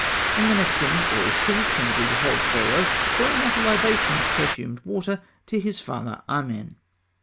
In the next scene, all is peace; and we behold Pharaoh pouring out a libation of perfumed water to his father Amen.